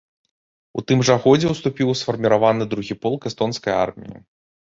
У тым жа годзе ўступіў у сфарміраваны другі полк эстонскай арміі.